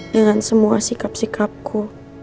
dengan semua sikap sikapku